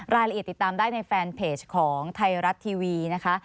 รายละเอียดติดตามได้ในแฟนเพจของไทยรัฐทีวีนะคะ